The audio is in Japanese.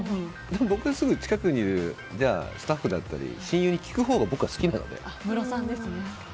僕はすぐ近くにいるスタッフとか親友に聞くほうが僕は好きなので。